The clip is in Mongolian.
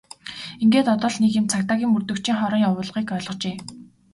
Ингээд одоо л нэг юм цагдаагийн мөрдөгчийн хорон явуулгыг ойлгожээ!